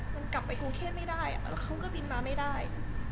มันกลับไปกรุงเทพไม่ได้แล้วเขาก็บินมาไม่ได้